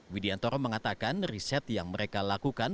widiantoro mengatakan riset yang mereka lakukan